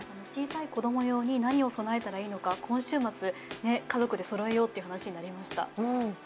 小さい子供用に何をそろえたらいいのか、今週末、家族でそろえようって話になりました。